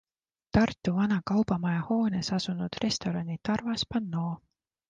Tartu vana kaubamaja hoones asunud restorani Tarvas pannoo.